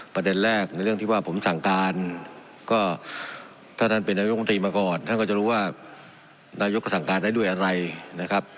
ประเด็นแรกในเรื่องที่ว่าผมสั่งการก็ถ้าท่านเป็นนายกมนตรีมาก่อนท่านก็จะรู้ว่านายกก็สั่งการได้ด้วยอะไรนะครับ